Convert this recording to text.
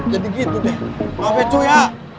jadi gitu deh maaf ya cuy ya